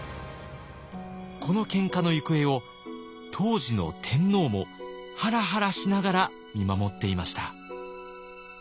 このけんかの行方を当時の天皇もハラハラしながら見守っていました。